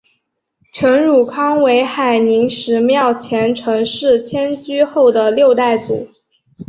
陈汝康为海宁十庙前陈氏迁居后的六代祖。